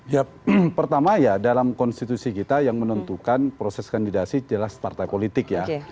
ya pertama ya dalam konstitusi kita yang menentukan proses kandidasi jelas partai politik ya